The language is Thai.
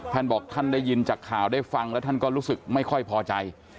ท่านบอกท่านได้ยินจากข่าวได้ฟังแล้วท่านก็รู้สึกไม่ค่อยพอใจ